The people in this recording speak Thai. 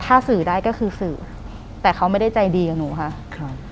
ถ้าสื่อได้ก็คือสื่อแต่เขาไม่ได้ใจดีกับหนูค่ะครับ